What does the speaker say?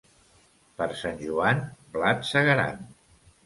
Per Sant Joan, blat segaran.